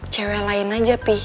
cewek lain aja pi